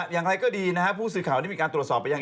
อย่างไรก็ดีนะฮะผู้สื่อข่าวได้มีการตรวจสอบไปยัง